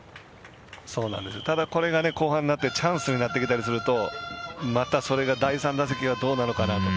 これが後半になってチャンスになってきたりするとまた、それが第３打席がどうなのかなとか。